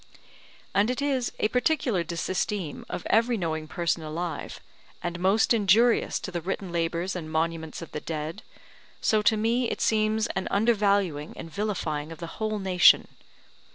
And it is a particular disesteem of every knowing person alive, and most injurious to the written labours and monuments of the dead, so to me it seems an undervaluing and vilifying of the whole nation.